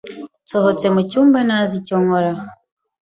Nsohotse mu cyumba ntazi icyo nkora.